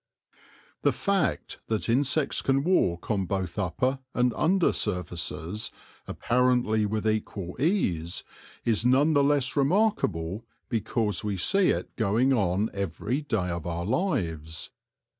The fact that insects can walk on both upper and under surfaces apparently with equal ease, is none the less remarkable because we see it going on every day of our lives.